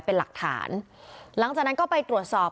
เป็นหลักฐานหลังจากนั้นก็ไปตรวจสอบ